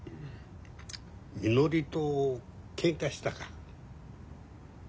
みのりとけんかしたか。